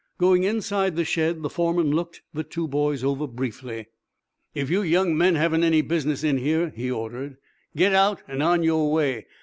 Going inside the shed, the foreman looked the two boys over briefly. "If you young men haven't any business in here," he ordered, "get out and on your way.